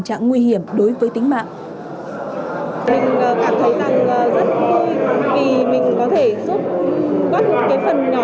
trạng nguy hiểm đối với tính mạng mình cảm thấy rằng rất vui vì mình có thể giúp góp một cái phần nhỏ